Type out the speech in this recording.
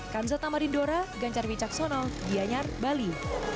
kamsa tamarindora ganjarwi caksono dianyar bali